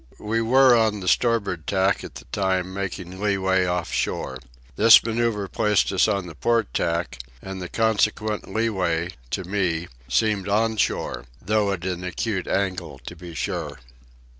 We were on the starboard tack at the time, making leeway off shore. This manoeuvre placed us on the port tack, and the consequent leeway, to me, seemed on shore, though at an acute angle, to be sure.